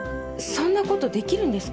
そんなことできるんですか？